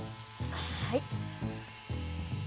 はい。